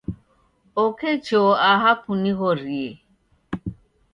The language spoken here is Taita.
Oke choo aha kunighorie.